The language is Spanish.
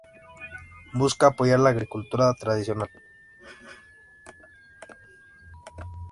Busca apoyar la agricultura tradicional.